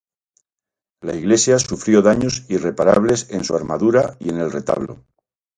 La iglesia sufrió daños irreparables en su armadura y en el retablo.